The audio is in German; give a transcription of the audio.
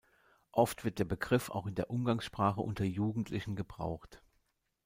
Oft wird der Begriff auch in der Umgangssprache unter Jugendlichen gebraucht.